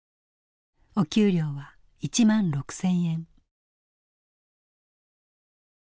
お給料は１６，０００円。